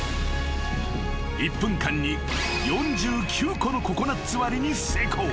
［１分間に４９個のココナツ割りに成功］